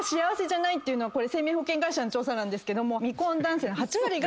生命保険会社の調査なんですけども。